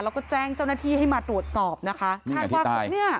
แล้วก็แจ้งเจ้าหน้าที่ให้มาตรวจสอบนะคะ